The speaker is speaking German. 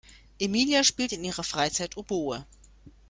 Emilia spielt in ihrer Freizeit Oboe.